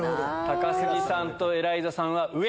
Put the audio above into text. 高杉さんとエライザさんは上。